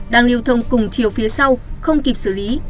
đang lưu thông cùng chiều phía sau không kịp xử lý